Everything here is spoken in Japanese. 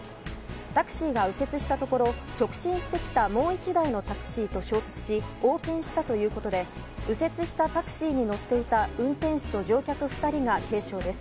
タクシーが右折したところ直進してきたもう１台のタクシーと衝突し横転したということで右折したタクシーに乗っていた運転手と乗客２人が軽傷です。